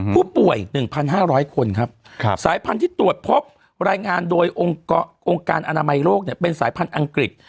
ผู้ป่วย๑๕๐๐คนครับสายพันธุ์ที่ตรวจพบรายงานโดยองค์การอนามัยโลกเป็นสายพันธุ์อังกฤษ